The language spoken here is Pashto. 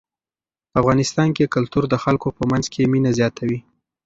په افغانستان کې کلتور د خلکو په منځ کې مینه زیاتوي.